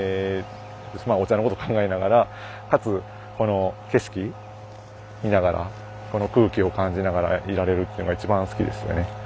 お茶のことを考えながらかつこの景色見ながらこの空気を感じながらいられるっていうのが一番好きですね。